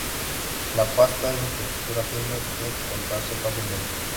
La pasta es de textura firme, puede cortarse fácilmente.